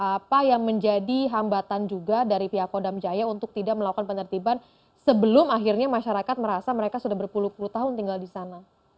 apa yang menjadi hambatan juga dari pihak kodam jaya untuk tidak melakukan penertiban sebelum akhirnya masyarakat merasa mereka sudah berpuluh puluh tahun tinggal di sana